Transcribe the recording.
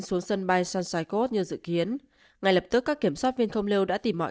xuống sân bay sunside coast như dự kiến ngay lập tức các kiểm soát viên không lâu đã tìm mọi